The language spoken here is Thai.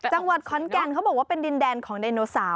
จังหวัดขอนแก่นเขาบอกว่าเป็นดินแดนของไดโนเสาร์